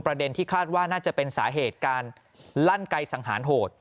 ที่คาดว่าน่าจะเป็นสาเหตุการลั่นไกลสังหารโหด